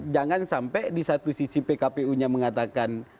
jangan sampai di satu sisi pkpu nya mengatakan